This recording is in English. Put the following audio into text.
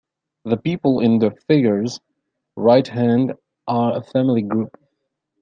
The people in the figure's right hand are a family group.